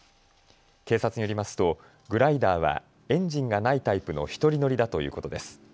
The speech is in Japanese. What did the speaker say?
警察によりますとグライダーはエンジンがないタイプの１人乗りだということです。